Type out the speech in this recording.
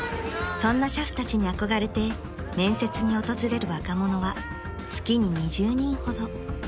［そんな俥夫たちに憧れて面接に訪れる若者は月に２０人ほど］